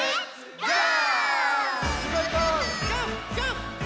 ゴー！